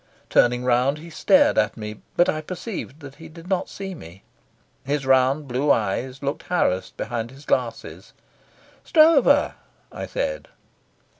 Turning round, he stared at me, but I perceived that he did not see me. His round blue eyes looked harassed behind his glasses. "Stroeve," I said.